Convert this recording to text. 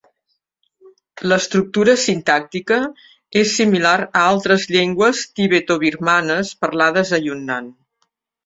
L'estructura sintàctica és similar a altres llengües tibetobirmanes parlades a Yunnan.